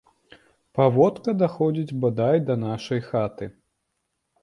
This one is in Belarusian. Паводка даходзіць бадай да нашай хаты.